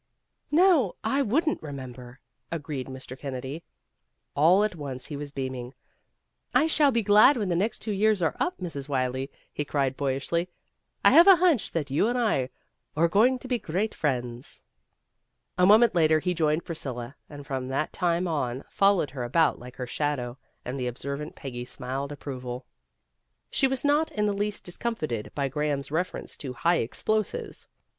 "No, I wouldn't remember," agreed Mr. Kennedy. All at once he was beaming. "I shall be glad when the next two years are up, Mrs. Wylie," he cried boyishly. "I have a hunch that you and I are going to be great friends." A moment later he joined Priscilla, and from that time on followed her about like her shadow, and the observant Peggy smiled ap proval. She was not in the least discomfited by Graham's reference to high explosives.